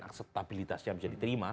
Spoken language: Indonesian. akstabilitasnya bisa diterima